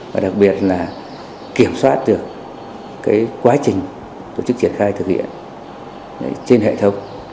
và đặc biệt là kiểm soát được quá trình tổ chức triển khai thực hiện trên hệ thống